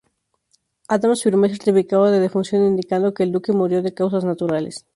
Adams firmó el certificado de defunción indicando que el duque murió de causas naturales.